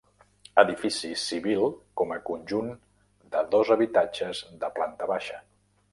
Edifici civil com a conjunt de dos habitatges de planta baixa.